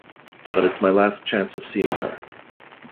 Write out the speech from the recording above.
But it's my last chance of seeing her.